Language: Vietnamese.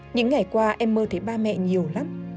những ngày qua em mơ thấy ba mẹ nhiều lắm